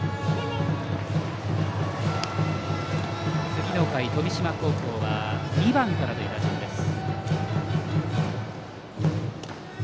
次の回、富島高校は２番からという打順です。